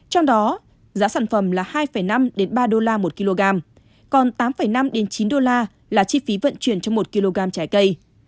trong đó giá sản phẩm là hai năm ba đô la một kg còn tám năm chín đô la là chi phí vận chuyển trong một kg trái cây